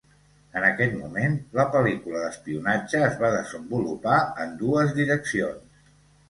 En aquest moment la pel·lícula d'espionatge es va desenvolupar en dues direccions.